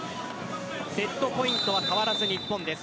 セットポイントは変わらず日本です。